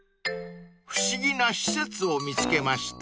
［不思議な施設を見つけました］